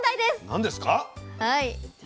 何ですか？